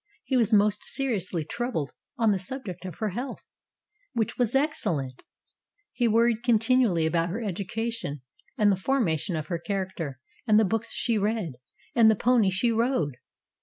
He was most seriously troubled on the subject of her health, which was excellent. He worried con tinually about her education, and the formation of her THE TENWOOD WITCH 243 character, and the books she read, and the pony she rode.